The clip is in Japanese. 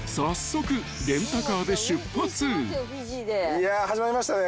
いや始まりましたね。